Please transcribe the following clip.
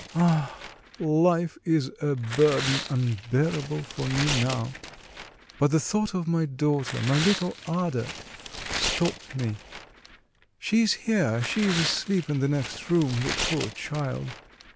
ah! life is a burden unbearable for me now!... but the thought of my daughter, my little Ada, stopped me. She is here, she is asleep in the next room, the poor child!